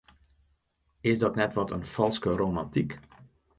Is dat net wat in falske romantyk?